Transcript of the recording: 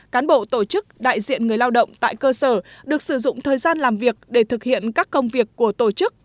cán bộ tổ chức đại diện người lao động tại cơ sở được sử dụng thời gian làm việc để thực hiện các công việc của tổ chức